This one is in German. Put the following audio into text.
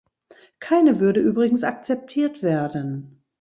Keine würde übrigens akzeptiert werden.